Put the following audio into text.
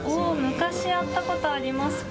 昔やったことありますか。